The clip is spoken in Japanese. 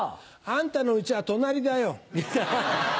あんたの家は隣だよ。